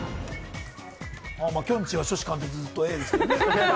きょんちぃは初志貫徹、ずっとＡだね。